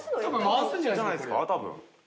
回すんじゃないですか？